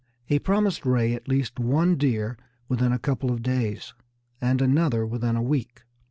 He promised Ray at least one deer within a couple of days, and another within a week.